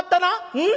うん？